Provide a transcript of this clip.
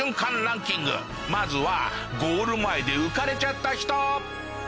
まずはゴール前で浮かれちゃった人。